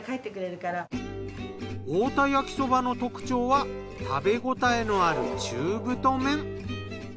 太田焼きそばの特徴は食べごたえのある中太麺。